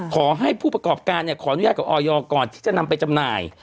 ขอให้ผู้ประกอบการขออนุญาตกับออยก่อนที่จะนำไปจำหน่าย